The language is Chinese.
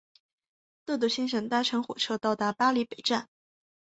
豆豆先生搭乘火车到达巴黎北站。